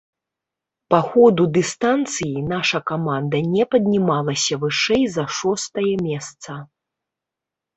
Па ходу дыстанцыі наша каманда не паднімалася вышэй за шостае месца.